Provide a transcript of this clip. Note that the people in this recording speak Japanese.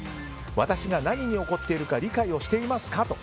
私が何に怒っているか理解していますかと。